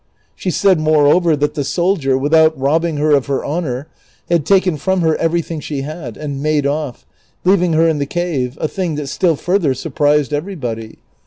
She said, moreover, that the soldier, without robbing her of her honor, had taken from her every thing she had, and made off, leaving her in the cave, a thing that still further surprised everybody.